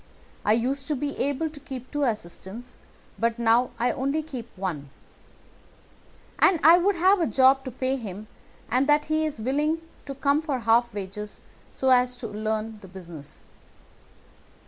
I used to be able to keep two assistants, but now I only keep one; and I would have a job to pay him but that he is willing to come for half wages so as to learn the business."